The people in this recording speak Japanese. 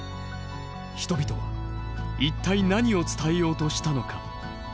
人々は一体何を伝えようとしたのか？